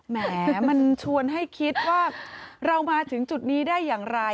แหมมันชวนให้คิดว่าเรามาถึงจุดนี้ได้อย่างไร